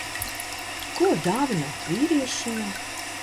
Ko dāvināt vīriešiem?